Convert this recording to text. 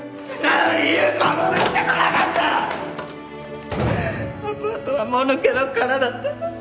アパートはもぬけの殻だった